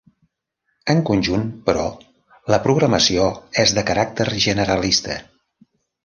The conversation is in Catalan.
En conjunt, però, la programació és de caràcter generalista.